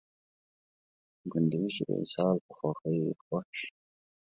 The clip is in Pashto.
ګوندې وي چې د وصال په خوښۍ خوښ شي